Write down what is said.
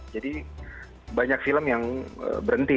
banyak film yang berhenti